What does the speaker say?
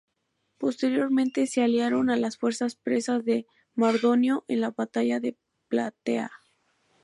Posteriormente se aliaron a las fuerzas persas de Mardonio en la batalla de Platea.